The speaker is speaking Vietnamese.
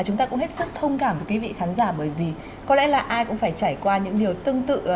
chúng ta cũng hết sức thông cảm với quý vị khán giả bởi vì có lẽ là ai cũng phải trải qua những điều tương tự